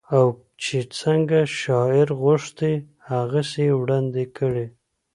او چې څنګه شاعر غوښتي هغسې يې وړاندې کړې